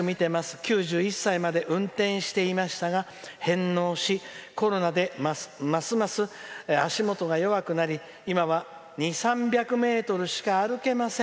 ９１歳まで運転していましたが返納し、コロナでますます足元が弱くなり、今は２００３００ｍしか歩けません。